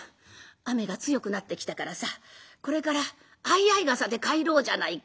雨が強くなってきたからさこれから相合い傘で帰ろうじゃないか。